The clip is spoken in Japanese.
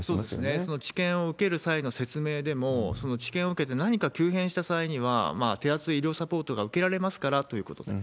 その治験を受ける際の説明でも、その治験を受けて何か急変した際には、手厚い医療サポートが受けられますから、ということなんですね。